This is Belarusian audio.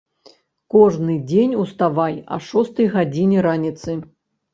Кожны дзень уставай а шостай гадзіне раніцы.